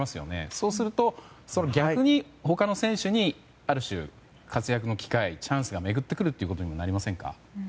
そうすると、逆に他の選手にある種、活躍の機会、チャンスが巡ってくることになりませんか。